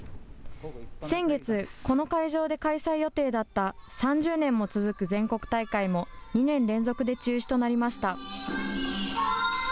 先月、この会場で開催予定だった、３０年も続く全国大会も、２年連続で中止となりました。